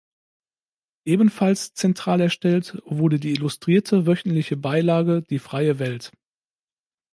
Ebenfalls zentral erstellt wurde die illustrierte wöchentliche Beilage "Die freie Welt".